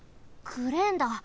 クレーンだ。